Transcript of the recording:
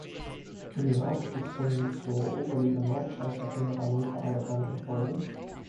In den Aufstiegsrunden zur Oberliga Nord scheiterte Hannover aber dreimal in Folge.